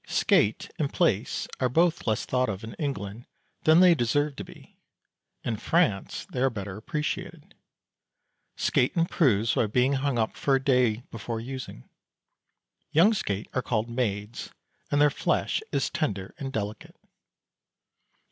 Skate and plaice are both less thought of in England than they deserve to be; in France they are better appreciated. Skate improves by being hung up for a day before using. Young skate are called "maids," and their flesh is tender and delicate.